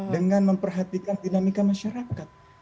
dengan memperhatikan dinamika masyarakat